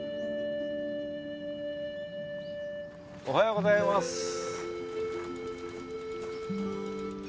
おはようございます。